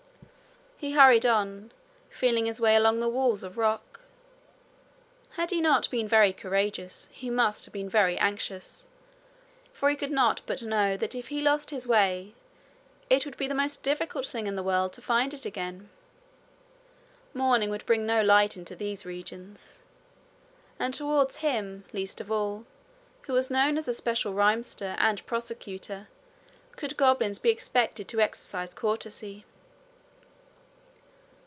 He hurried on, feeling his way along the walls of rock. Had he not been very courageous, he must have been very anxious, for he could not but know that if he lost his way it would be the most difficult thing in the world to find it again. Morning would bring no light into these regions; and towards him least of all, who was known as a special rhymester and persecutor, could goblins be expected to exercise courtesy.